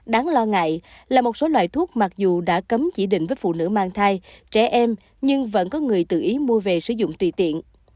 đáng lo ngại là một số loại thuốc mặc dù đã cấm chỉ định với phụ nữ mang thai trẻ em nhưng vẫn có người tự ý mua về sử dụng tùy tiện